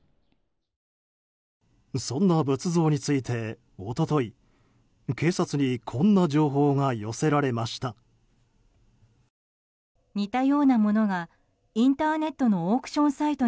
そんな仏像について、一昨日警察にこんな情報が寄せられました。